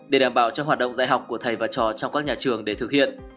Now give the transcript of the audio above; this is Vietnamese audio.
để đảm bảo cho hoạt động dạy học của thầy và trò trong các nhà trường để thực hiện